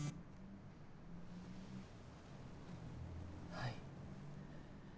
はい。